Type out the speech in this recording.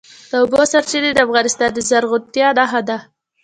د اوبو سرچینې د افغانستان د زرغونتیا نښه ده.